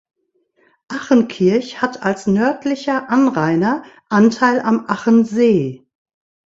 Achenkirch hat als nördlicher Anrainer Anteil am Achensee.